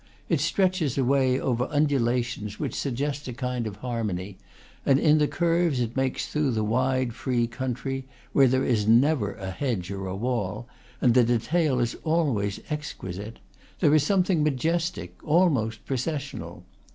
It stretches away over undulations which suggest a kind of harmony; and in the curves it makes through the wide, free country, where there is never a hedge or a wall, and the detail is always exquisite, there is something majestic, almost processional.